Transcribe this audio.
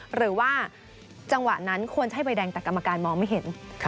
หรือว่าจังหวะนั้นควรใช้ใบแดงแต่กรรมการมองไม่เห็น